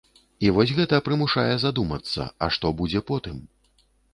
І вось гэта прымушае задумацца, а што будзе потым?